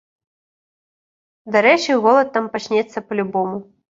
Дарэчы, голад там пачнецца па-любому.